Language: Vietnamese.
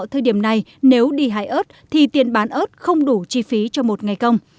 thời điểm này nếu đi hái ớt thì tiền bán ớt không đủ chi phí cho một ngày công